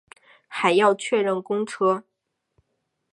还要确认公车